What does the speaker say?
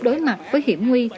đối mặt với hiểm nguy